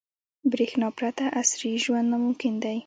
• برېښنا پرته عصري ژوند ناممکن دی.